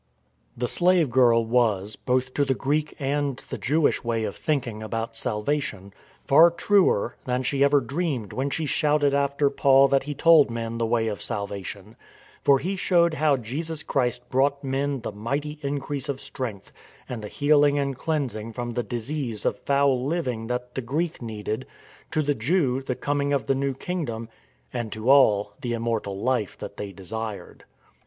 The slave girl was, both to the Greek and the Jew ish way of thinking about salvation, far truer than she ever dreamed when she shouted after Paul that he told men the way of salvation : for he showed how Jesus Christ brought men the " mighty increase of strength " and the healing and cleansing from the disease of foul living that the Greek needed; to the Jew the coming of the new Kingdom; and to all the immortal life that they desired.